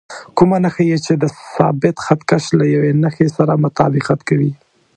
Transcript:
کومه نښه یې چې د ثابت خط کش له یوې نښې سره مطابقت کوي.